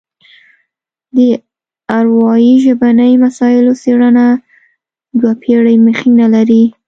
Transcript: د اروايي ژبني مسایلو څېړنه دوه پېړۍ مخینه لري